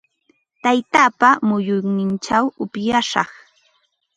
Taytaapa muyunninchaw upyashaq.